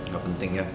gak penting ya